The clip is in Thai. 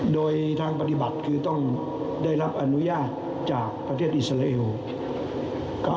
โดยทางปฏิบัติคือต้องได้รับอนุญาตจากประเทศอิสราเอล